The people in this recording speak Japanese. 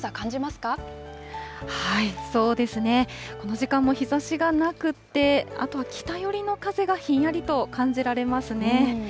そうですね、この時間も日ざしがなくって、あとは北寄りの風がひんやりと感じられますね。